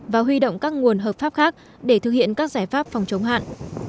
và huy động các nguồn hợp pháp khác để thực hiện các giải pháp phòng chống hạn